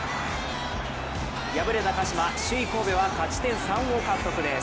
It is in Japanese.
敗れた鹿島、首位・神戸は勝ち点３を獲得です。